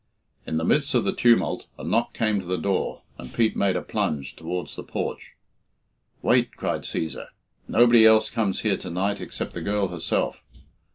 In the midst of the tumult a knock came to the door, and Pete made a plunge towards the porch. "Wait," cried Cæsar. "Nobody else comes here to night except the girl herself.